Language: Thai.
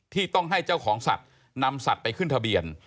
ที่ต้องให้เจ้าของสัตว์นำสัตว์ไปขึ้นทะเบียน